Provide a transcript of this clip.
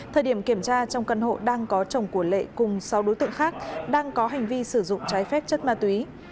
thời điểm kiểm tra trong căn hộ đang có chồng của lệ cùng sáu đối tượng khác đang có hành vi sử dụng trái phép chất ma túy